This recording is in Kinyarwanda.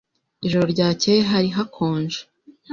Ijoro ryakeye hari hakonje?